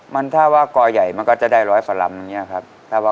มันถ้าว่ากรใหญ่มันก็จะได้ล้อยสารัมนะครับ